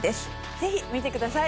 ぜひ見てください。